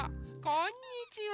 こんにちは。